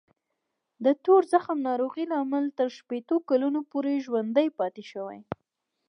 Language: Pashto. د تور زخم ناروغۍ لامل تر شپېتو کلونو پورې ژوندی پاتې شي.